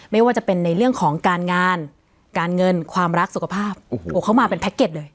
ไม่ว่าจะเป็นในเรื่องของการงานการเงินความรักสุขภาพโอ้โหเขามาเป็นแพ็กเก็ตเลย